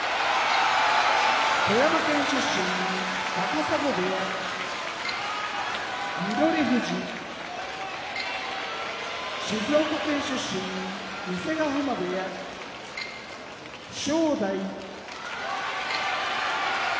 富山県出身高砂部屋翠富士静岡県出身伊勢ヶ濱部屋正代熊本県出身